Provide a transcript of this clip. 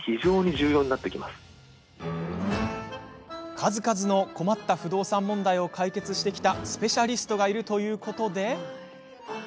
数々の困った不動産問題を解決してきたスペシャリストがいるということで。